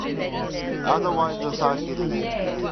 Otherwise the circuit reverses.